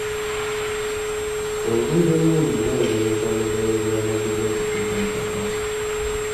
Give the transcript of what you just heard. Enguudo ennungi zaanguya entambuza y'ebyamaguzi okutuuka mu katale.